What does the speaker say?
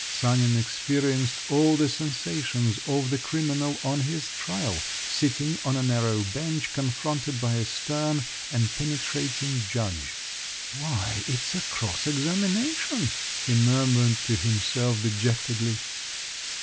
Sanin experienced all the sensations of the criminal on his trial, sitting on a narrow bench confronted by a stern and penetrating judge. "Why, it's a cross examination!" he murmured to himself dejectedly.